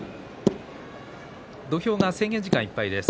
土俵が制限時間いっぱいです。